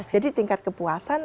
jadi tingkat kepuasan